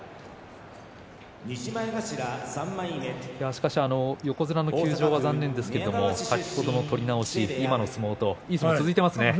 しかし横綱の休場は残念ですけれど、先ほどの取り直し、今の相撲といい相撲が続いていますね。